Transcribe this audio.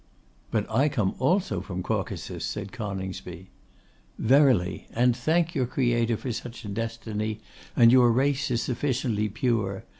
'But I come also from Caucasus,' said Coningsby. 'Verily; and thank your Creator for such a destiny: and your race is sufficiently pure.